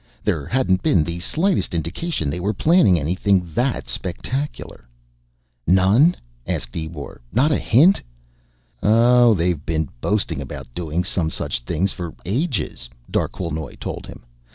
There hadn't been the slightest indication they were planning anything that spectacular." "None?" asked Ebor. "Not a hint?" "Oh, they've been boasting about doing some such thing for ages," Darquelnoy told him.